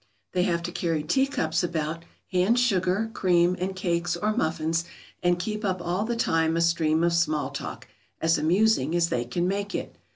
They have to carry teacups about, hand sugar, cream, and cakes or muffins, and keep up all the time a stream of small talk, as amusing as they can make it.